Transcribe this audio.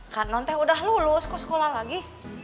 kan non teh udah lulus kok sekolah lagi